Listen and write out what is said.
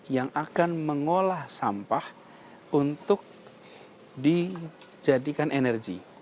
yang akan mengolah sampah untuk dijadikan energi